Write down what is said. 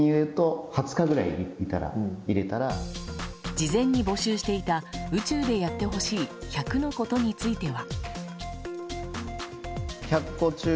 事前に募集していた宇宙でやってほしい１００のことについては。